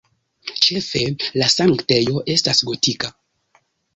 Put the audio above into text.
Ĉefe la sanktejo estas gotika.